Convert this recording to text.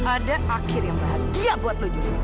gak ada akhir yang bahagia buat lo juga